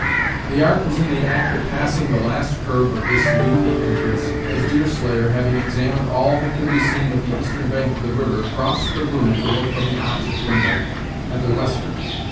The ark was in the act of passing the last curve of this leafy entrance, as Deerslayer, having examined all that could be seen of the eastern bank of the river, crossed the room to look from the opposite window, at the western.